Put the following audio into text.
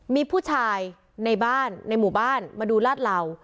มีผู้ชายในบ้านในหมู่บ้านมาดูลาดเหล่า